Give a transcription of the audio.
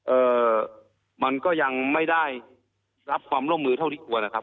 เอ่อมันก็ยังไม่ได้รับความร่วมมือเท่าที่ควรนะครับ